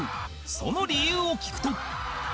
その理由を聞くと